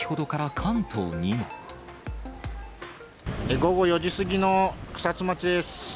午後４時過ぎの草津町です。